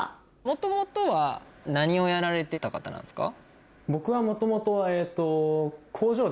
元々は何をやられてた方なんですか？